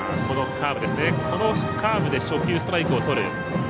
このカーブで初球ストライクをとる。